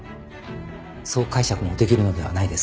そう解釈もできるのではないですか。